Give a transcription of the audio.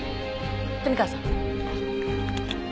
冨川さん。